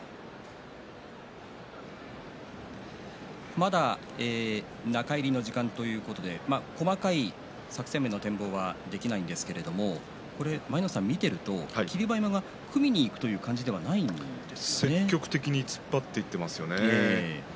まだ中入りの時間ということで細かい作戦面の展望はできないんですけれど舞の海さん、見ていると霧馬山が組みにいく積極的に突っ張っていっていますよね。